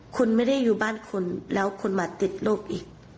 คุณไม่ได้อยู่บ้านคุณแล้วคุณมาติดโรคอีก